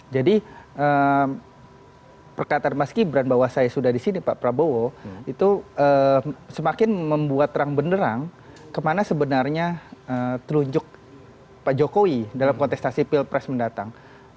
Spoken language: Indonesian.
jadi perkataan mas gibran bahwa saya sudah di sini pak prabowo itu semakin membuat terang benerang kemana sebenarnya telunjuk pak jokowi dalam kontestasi pilpres mendatang